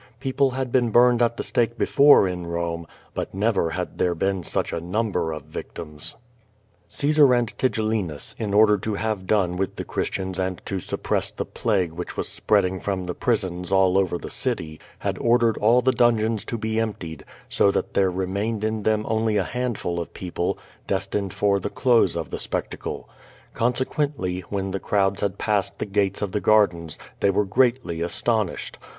People had been burned at the stake before in Home, but never had there been such a number of victims. QUO TADIS. ^53 Caesar and Tigellinus, in order to have done with the Christians and to suppress the plague which was spreading from tlie prisons all over the city, had ordered all the dun geons to be emptied, so that their remained in them only a liandful of people, destined for the close of the spectacle. Consequently, when the crowds had passed the gates of the gardens, they were greatly astonished.